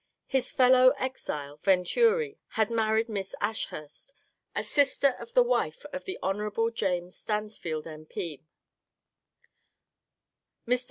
His fellow exile, Venturi, had married Miss Ashurst, a sister of the wife of the Hon. James Stansfeld, M. P. Mr.